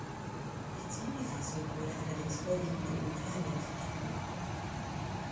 Die "Zombie-Fassung" wurde allerdings vorwiegend in Italien vertrieben.